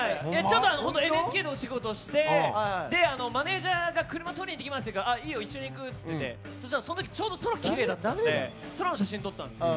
本当にＮＨＫのお仕事をしてマネージャーが車を取りに行くっていいよ一緒に行くって言ってて、そのとき、ちょうど空、きれいだったんで空の写真、撮ったんです。